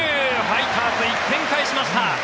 ファイターズ、１点返しました。